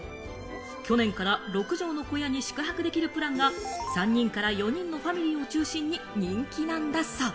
去年から６帖条の小屋に宿泊できるプランが３人から４人のファミリーを中心に人気なんだそう。